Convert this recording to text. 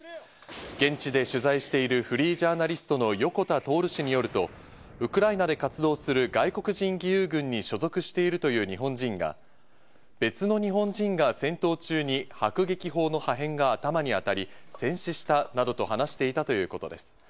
現地で取材しているフリージャーナリストの横田徹氏によると、ウクライナで活動する外国人義勇軍に所属しているという日本人が別の日本人が戦闘中に迫撃砲の破片が頭に当たり戦死したなどと話していたということです。